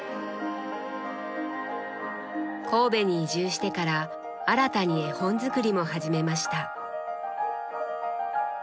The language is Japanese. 神戸に移住してから新たに絵本作りも始めました。